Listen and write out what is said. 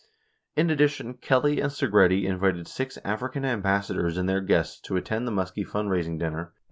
In addition, Kelly and Segretti invited six African ambassadors and their guests to attend the Muskie fund 15 10 Hearings 3998.